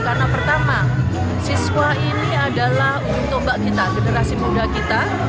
karena pertama siswa ini adalah untuk mbak kita generasi muda kita